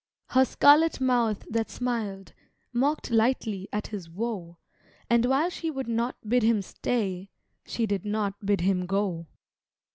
Her scarlet mouth that smiled, Mocked lightly at his woe, And while she would not bid him stay She did not bid him go.